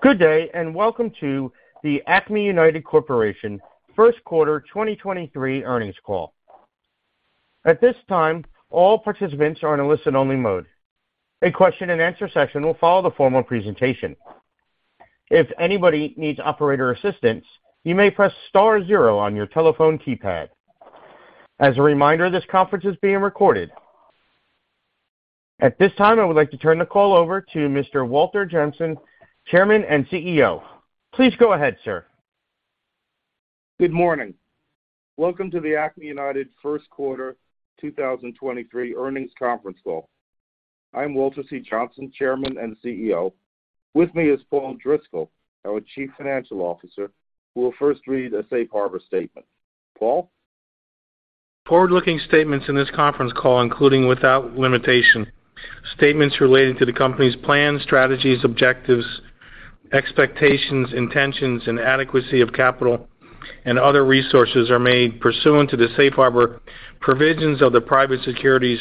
Good day. Welcome to the Acme United Corporation first quarter 2023 earnings call. At this time, all participants are in a listen-only mode. A question-and-answer session will follow the formal presentation. If anybody needs operator assistance, you may press star zero on your telephone keypad. As a reminder, this conference is being recorded. At this time, I would like to turn the call over to Mr. Walter Johnsen, Chairman and CEO. Please go ahead, sir. Good morning. Welcome to the Acme United first quarter 2023 earnings conference call. I'm Walter C. Johnsen, Chairman and CEO. With me is Paul Driscoll, our Chief Financial Officer, who will first read a safe harbor statement. Paul? Forward-looking statements in this conference call, including without limitation, statements relating to the company's plans, strategies, objectives, expectations, intentions and adequacy of capital and other resources are made pursuant to the safe harbor provisions of the Private Securities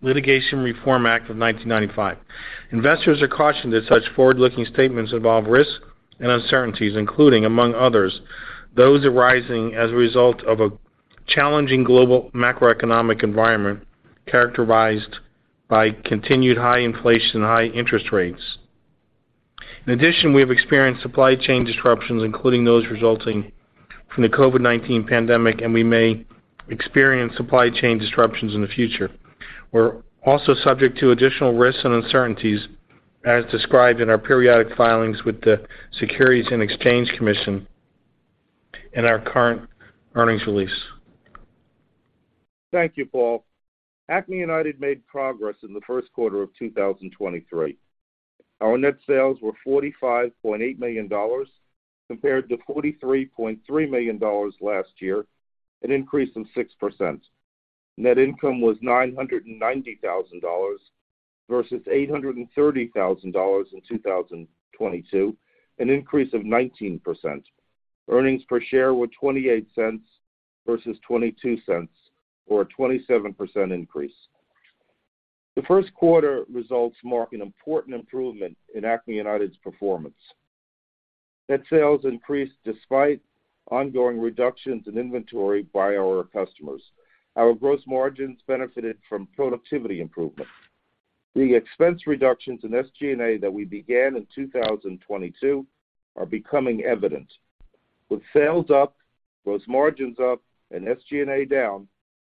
Litigation Reform Act of 1995. Investors are cautioned that such forward-looking statements involve risks and uncertainties, including among others, those arising as a result of a challenging global macroeconomic environment characterized by continued high inflation and high interest rates. In addition, we have experienced supply chain disruptions, including those resulting from the COVID-19 pandemic, and we may experience supply chain disruptions in the future. We're also subject to additional risks and uncertainties as described in our periodic filings with the Securities and Exchange Commission and our current earnings release. Thank you, Paul. Acme United made progress in the first quarter of 2023. Our net sales were $45.8 million compared to $43.3 million last year, an increase of 6%. Net income was $990,000 versus $830,000 in 2022, an increase of 19%. Earnings per share were $0.28 versus $0.22 or a 27% increase. The first quarter results mark an important improvement in Acme United's performance. Net sales increased despite ongoing reductions in inventory by our customers. Our gross margins benefited from productivity improvements. The expense reductions in SG&A that we began in 2022 are becoming evident. With sales up, gross margins up, and SG&A down,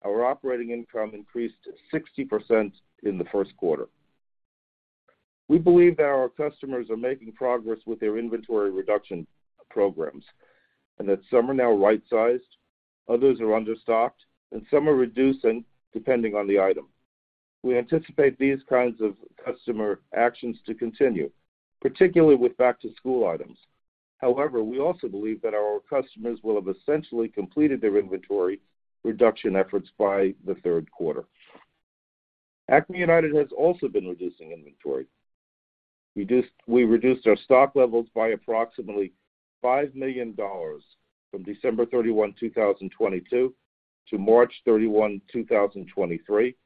our operating income increased 60% in the first quarter. We believe that our customers are making progress with their inventory reduction programs and that some are now right-sized, others are understocked, and some are reducing depending on the item. We anticipate these kinds of customer actions to continue, particularly with back-to-school items. However, we also believe that our customers will have essentially completed their inventory reduction efforts by the third quarter. Acme United has also been reducing inventory. We reduced our stock levels by approximately $5 million from December 31, 2022 to March 31, 2023,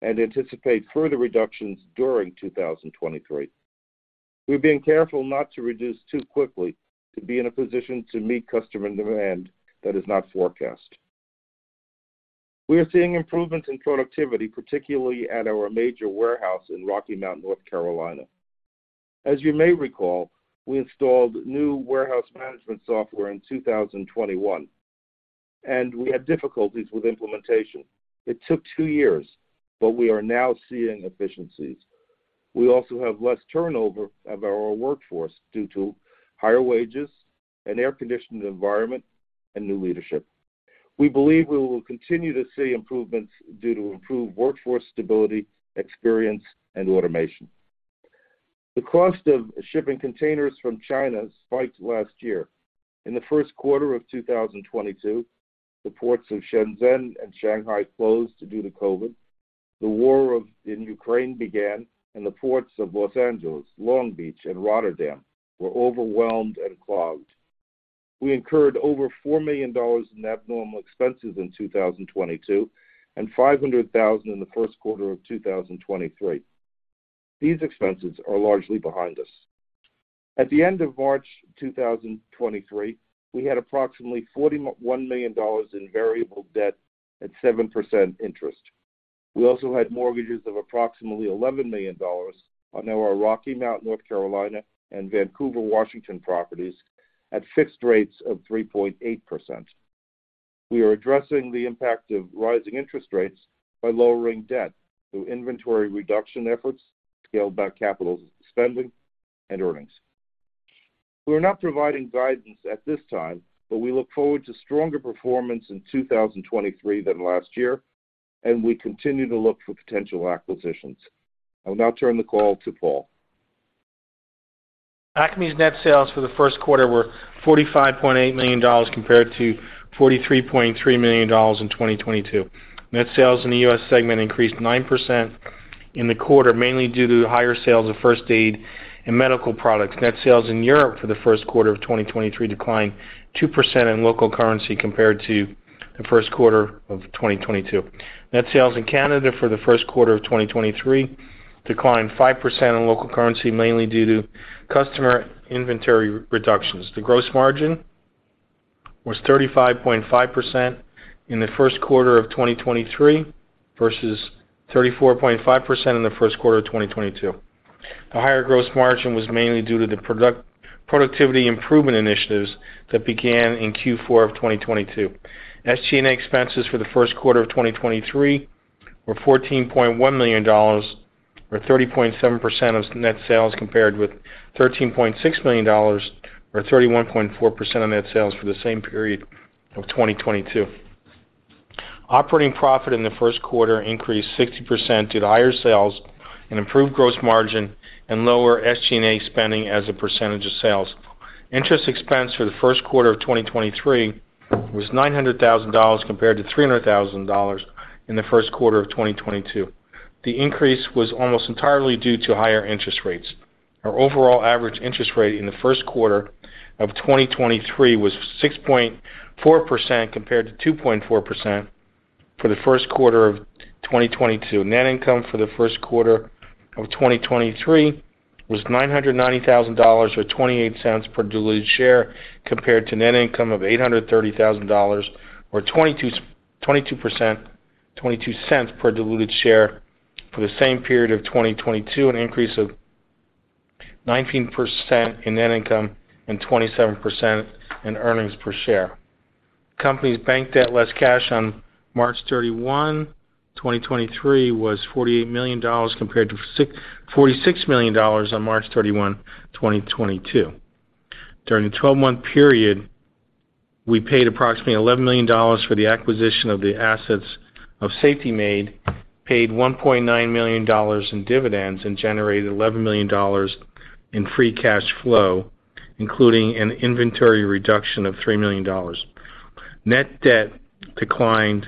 and anticipate further reductions during 2023. We're being careful not to reduce too quickly to be in a position to meet customer demand that is not forecast. We are seeing improvements in productivity, particularly at our major warehouse in Rocky Mount, North Carolina. As you may recall, we installed new warehouse management software in 2021, we had difficulties with implementation. It took 2 years, we are now seeing efficiencies. We also have less turnover of our workforce due to higher wages, an air-conditioned environment, and new leadership. We believe we will continue to see improvements due to improved workforce stability, experience, and automation. The cost of shipping containers from China spiked last year. In the first quarter of 2022, the ports of Shenzhen and Shanghai closed due to COVID. The war in Ukraine began, the ports of Los Angeles, Long Beach, and Rotterdam were overwhelmed and clogged. We incurred over $4 million in abnormal expenses in 2022 and $500,000 in the first quarter of 2023. These expenses are largely behind us. At the end of March 2023, we had approximately $41 million in variable debt at 7% interest. We also had mortgages of approximately $11 million on our Rocky Mount, North Carolina, and Vancouver, Washington, properties at fixed rates of 3.8%. We are addressing the impact of rising interest rates by lowering debt through inventory reduction efforts, scaled-back capital spending, and earnings. We are not providing guidance at this time, but we look forward to stronger performance in 2023 than last year, and we continue to look for potential acquisitions. I will now turn the call to Paul. Acme's net sales for the first quarter were $45.8 million compared to $43.3 million in 2022. Net sales in the U.S. segment increased 9% in the quarter, mainly due to higher sales of first aid and medical products. Net sales in Europe for the first quarter of 2023 declined 2% in local currency compared to the first quarter of 2022. Net sales in Canada for the first quarter of 2023 declined 5% in local currency, mainly due to customer inventory reductions. The gross margin was 35.5% in the first quarter of 2023 versus 34.5% in the first quarter of 2022. The higher gross margin was mainly due to the product-productivity improvement initiatives that began in Q4 of 2022. SG&A expenses for the first quarter of 2023 were $14.1 million, or 30.7% of net sales, compared with $13.6 million or 31.4% of net sales for the same period of 2022. Operating profit in the first quarter increased 60% due to higher sales and improved gross margin and lower SG&A spending as a percentage of sales. Interest expense for the first quarter of 2023 was $900,000 compared to $300,000 in the first quarter of 2022. The increase was almost entirely due to higher interest rates. Our overall average interest rate in the first quarter of 2023 was 6.4% compared to 2.4% for the first quarter of 2022. Net income for the first quarter of 2023 was $990,000 or $0.28 per diluted share, compared to net income of $830,000 or $0.22 per diluted share for the same period of 2022, an increase of 19% in net income and 27% in earnings per share. Company's bank debt less cash on March 31, 2023 was $48 million compared to $46 million on March 31, 2022. During the 12-month period, we paid approximately $11 million for the acquisition of the assets of Safety Made, paid $1.9 million in dividends and generated $11 million in free cash flow, including an inventory reduction of $3 million. Net debt declined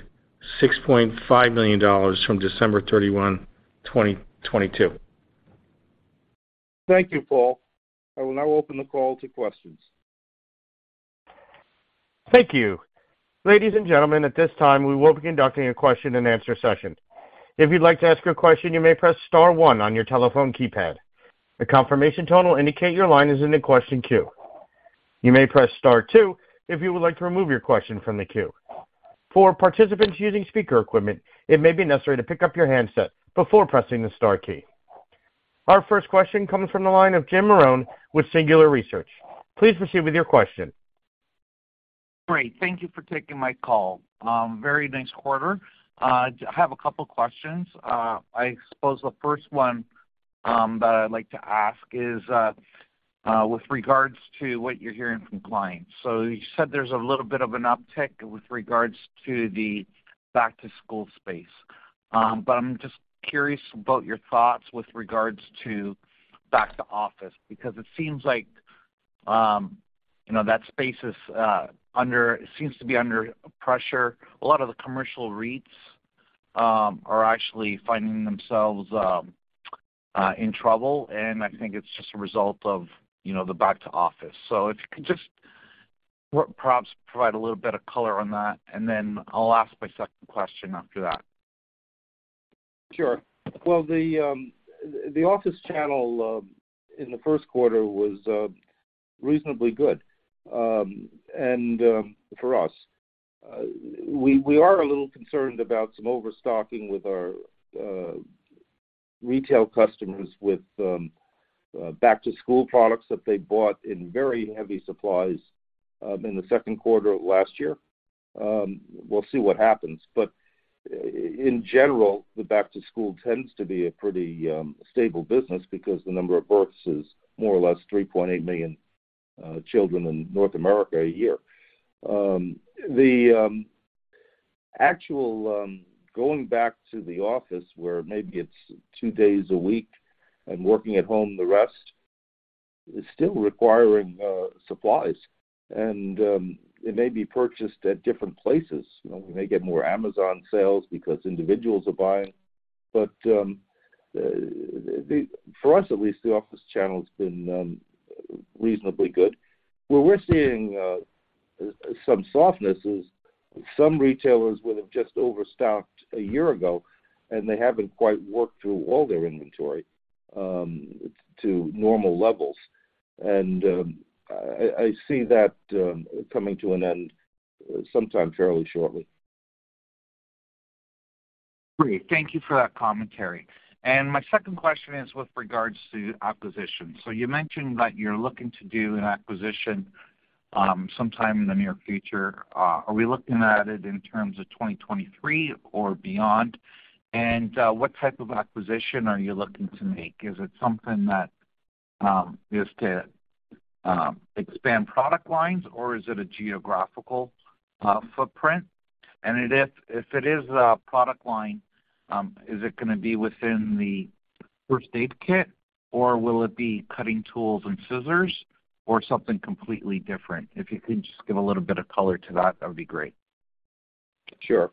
$6.5 million from December 31, 2022. Thank you, Paul. I will now open the call to questions. Thank you. Ladies and gentlemen, at this time, we will be conducting a question-and-answer session. If you'd like to ask a question, you may press star one on your telephone keypad. A confirmation tone will indicate your line is in the question queue. You may press star two if you would like to remove your question from the queue. For participants using speaker equipment, it may be necessary to pick up your handset before pressing the star key. Our first question comes from the line of Jim Marrone with Singular Research. Please proceed with your question. Great. Thank you for taking my call. very nice quarter. I have a couple of questions. I suppose the first one that I'd like to ask is with regards to what you're hearing from clients. You said there's a little bit of an uptick with regards to the back-to-school space. I'm just curious about your thoughts with regards to back to office, because it seems like, you know, that space is under pressure. A lot of the commercial REITs are actually finding themselves in trouble, and I think it's just a result of, you know, the back to office. If you could just perhaps provide a little bit of color on that, and then I'll ask my second question after that. Sure. Well, the office channel in the first quarter was reasonably good, and for us. We are a little concerned about some overstocking with our retail customers with back-to-school products that they bought in very heavy supplies in the second quarter of last year. We'll see what happens. In general, the back to school tends to be a pretty stable business because the number of births is more or less 3.8 million children in North America a year. The actual going back to the office, where maybe it's two days a week and working at home the rest, is still requiring supplies, and it may be purchased at different places. You know, we may get more Amazon sales because individuals are buying. For us at least, the office channel has been reasonably good. Where we're seeing some softness is some retailers would have just overstocked a year ago, and they haven't quite worked through all their inventory to normal levels. I see that coming to an end sometime fairly shortly. Great. Thank you for that commentary. My second question is with regards to acquisitions. You mentioned that you're looking to do an acquisition sometime in the near future. Are we looking at it in terms of 2023 or beyond? What type of acquisition are you looking to make? Is it something that is to expand product lines, or is it a geographical footprint? If, if it is a product line, is it gonna be within the first aid kit, or will it be cutting tools and scissors or something completely different? If you could just give a little bit of color to that would be great. Sure.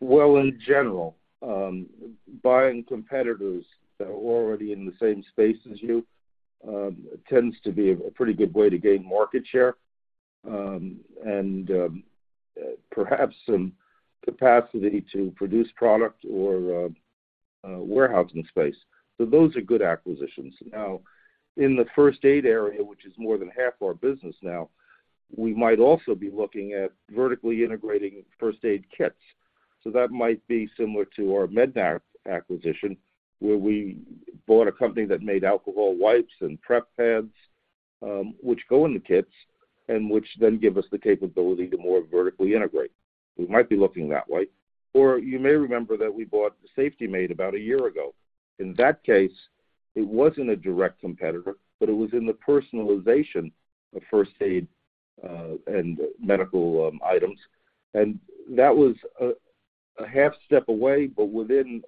Well, in general, buying competitors that are already in the same space as you, tends to be a pretty good way to gain market share, and perhaps some capacity to produce product or warehousing space. Those are good acquisitions. Now, in the first aid area, which is more than half our business now, we might also be looking at vertically integrating first aid kits. That might be similar to our Med-Nap acquisition, where we bought a company that made alcohol wipes and prep pads, which go in the kits and which then give us the capability to more vertically integrate. We might be looking that way. You may remember that we bought Safety Made about a year ago. In that case, it wasn't a direct competitor, but it was in the personalization of first aid, and medical items. That was a half step away, but within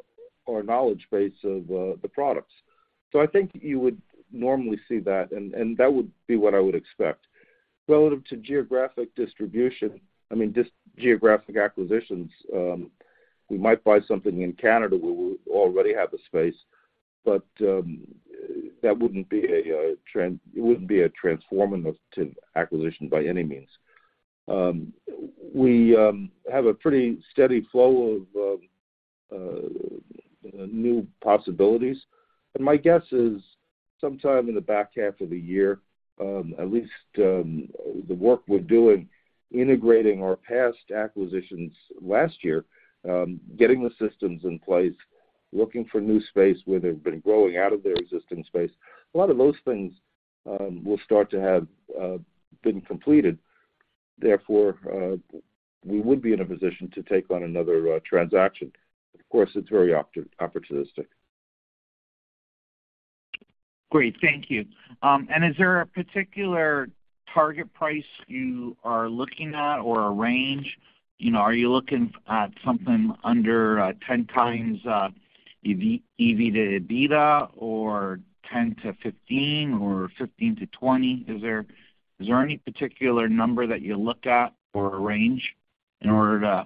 our knowledge base of the products. I think you would normally see that, and that would be what I would expect. Relative to geographic distribution, I mean, just geographic acquisitions, we might buy something in Canada where we already have a space, but that wouldn't be a transformative acquisition by any means. We have a pretty steady flow of new possibilities. My guess is sometime in the back half of the year, at least, the work we're doing integrating our past acquisitions last year, getting the systems in place, looking for new space where they've been growing out of their existing space, a lot of those things will start to have been completed. We would be in a position to take on another transaction. Of course, it's very opportunistic. Great. Thank you. Is there a particular target price you are looking at or a range? You know, are you looking at something under 10 times EV to EBITDA or 10 to 15 or 15 to 20? Is there any particular number that you look at or a range in order to,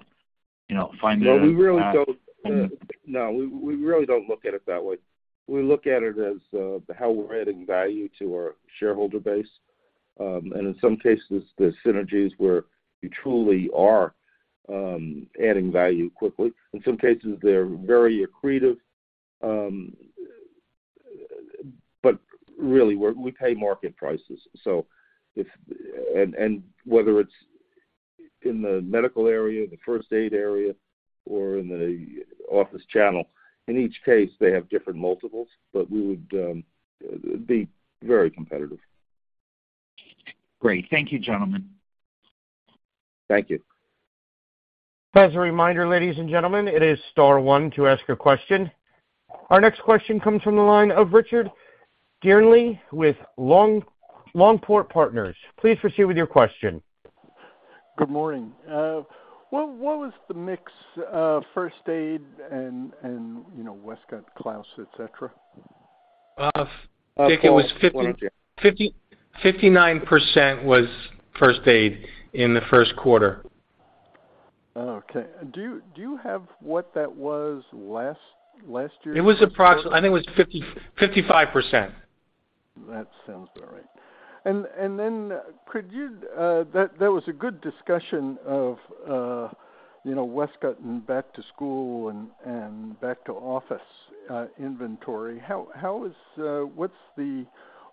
you know, find that. No, we really don't. No, we really don't look at it that way. We look at it as how we're adding value to our shareholder base. In some cases, there's synergies where you truly are adding value quickly. In some cases, they're very accretive. Really, we pay market prices. Whether it's in the medical area, the first aid area, or in the office channel, in each case, they have different multiples, but we would be very competitive. Great. Thank you, gentlemen. Thank you. As a reminder, ladies and gentlemen, it is star one to ask a question. Our next question comes from the line of Richard Dearnley with Longport Partners. Please proceed with your question. Good morning. What was the mix of first aid and, you know, Westcott, Clauss, et cetera? I think it was. Paul. 59% was first aid in the first quarter. Okay. Do you have what that was last year? It was approximately I think it was 50, 55%. That sounds about right. Could you, that was a good discussion of, you know, Westcott and back to school and back to office inventory. How is What's the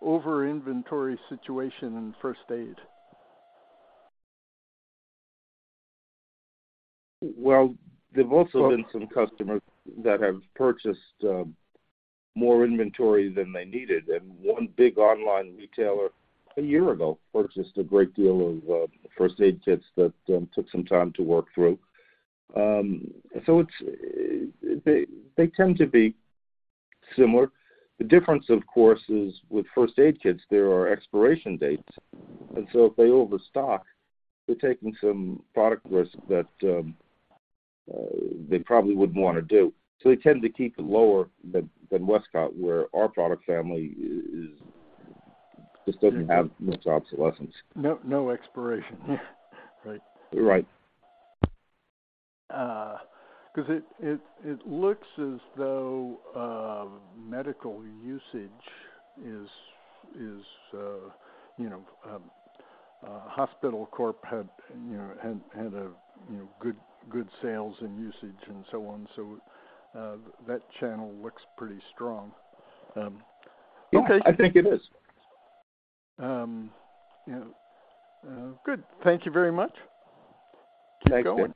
over inventory situation in first aid? Well, there've also been some customers that have purchased more inventory than they needed. One big online retailer a year ago purchased a great deal of first aid kits that took some time to work through. They tend to be similar. The difference, of course, is with first aid kits, there are expiration dates. If they overstock, they're taking some product risk that they probably wouldn't wanna do. They tend to keep it lower than Westcott, where our product family is, just doesn't have much obsolescence. No, no expiration- Yeah. You're right.... 'cause it looks as though, medical usage is, you know, Hospital Corp had good sales and usage and so on. That channel looks pretty strong. I think it is. Yeah. Good. Thank you very much. Thanks. You're welcome.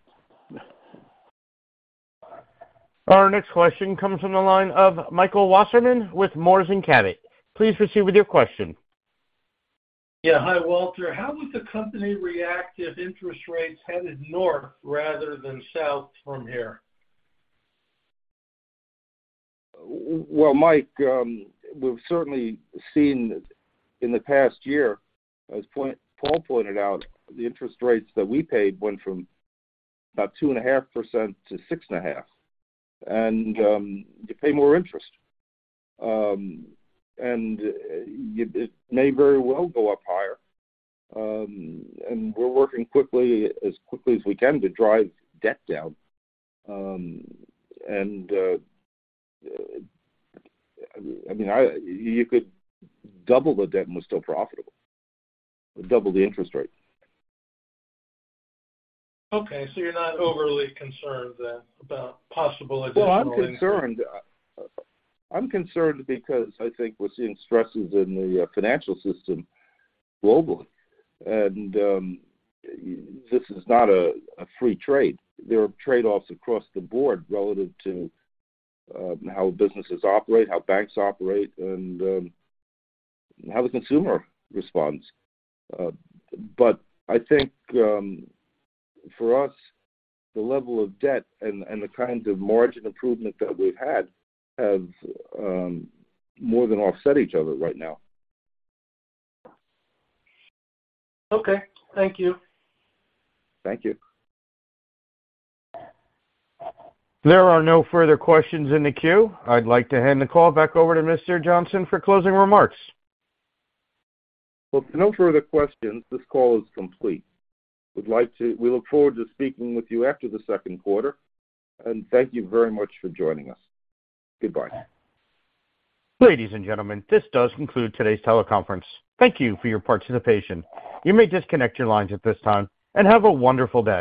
Our next question comes from the line of Michael Wasserman with Moors & Cabot. Please proceed with your question. Yeah. Hi, Walter. How would the company react if interest rates headed north rather than south from here? Well, Mike, we've certainly seen in the past year, as Paul pointed out, the interest rates that we paid went from about 2.5% to 6.5%. You pay more interest. It may very well go up higher. We're working quickly, as quickly as we can to drive debt down. I mean, you could double the debt and we're still profitable. Double the interest rate. Okay. You're not overly concerned then about possible additional interest- Well, I'm concerned. I'm concerned because I think we're seeing stresses in the financial system globally. This is not a free trade. There are trade-offs across the board relative to how businesses operate, how banks operate, and how the consumer responds. I think for us, the level of debt and the kinds of margin improvement that we've had have more than offset each other right now. Okay. Thank you. Thank you. There are no further questions in the queue. I'd like to hand the call back over to Mr. Johnsen for closing remarks. Well, if no further questions, this call is complete. We look forward to speaking with you after the second quarter, and thank you very much for joining us. Goodbye. Ladies and gentlemen, this does conclude today's teleconference. Thank you for your participation. You may disconnect your lines at this time, and have a wonderful day.